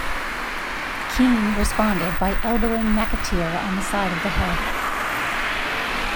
Keane responded by elbowing McAteer on the side of the head.